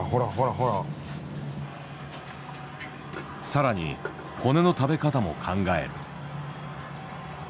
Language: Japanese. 更に骨の食べ方も考える。